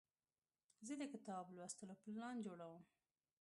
زه د کتاب لوستلو پلان جوړوم.